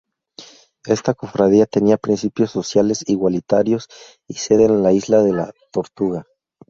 Esta cofradía tenía principios sociales igualitarios y sede en la Isla de la Tortuga.